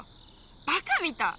バカみたい。